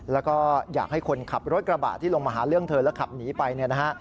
แล้วก็อยากให้คนขับรถกระบะที่ลงมาหาเรื่องเธอแล้วขับหนีไปเนี่ยนะฮะ